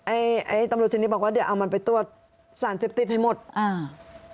ไอ้ไอ้ตำรวจทีนี้บอกว่าเดี๋ยวเอามันไปตรวจสารเสพติดให้หมดอ่า